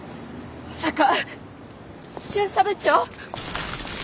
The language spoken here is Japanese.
まさか巡査部長。